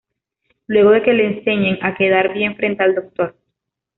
Luego de que le enseñen a quedar bien frente al Dr.